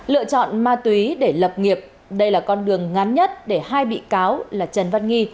lựa chọn ma túy để lập nghiệp đây là con đường ngắn nhất để hai bị cáo là trần văn nghi